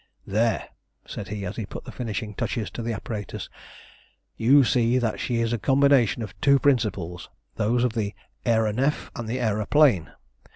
"There," said he, as he put the finishing touches to the apparatus, "you see that she is a combination of two principles those of the Aëronef and the Aëroplane.